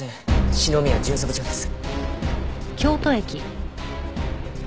篠宮巡査部長です。